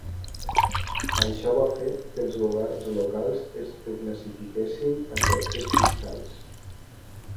Això va fer que els governs locals els reclassifiquessin a efectes fiscals.